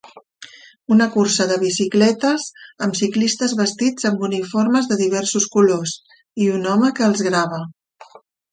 Una cursa de bicicletes amb ciclistes vestits amb uniformes de diversos colors i un home que els grava.